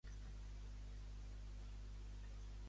Com era ara la conversació amb la família?